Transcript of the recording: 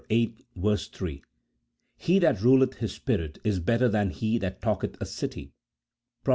3 ;" He that ruleth his spirit, is better than he that taketh a city," Prov.